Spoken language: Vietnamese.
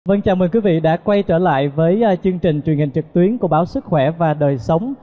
vâng chào mời quý vị đã quay trở lại với chương trình truyền hình trực tuyến của báo sức khỏe và đời sống